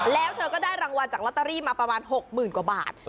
แล้วเธอก็ได้รางวัลจากลอตเตอรี่มาประมาณ๖๐๐๐กว่าบาท